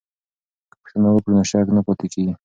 که پوښتنه وکړو نو شک نه پاتې کیږي.